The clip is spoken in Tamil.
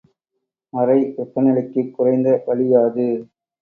அறை வெப்பநிலைக்குக் குறைந்த வளி யாது?